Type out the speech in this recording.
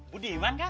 bu diman kan